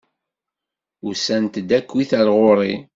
Usant-d akkit ar ɣur-i!